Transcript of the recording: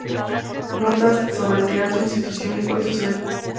Notas sobre teatro, institución y espacio social".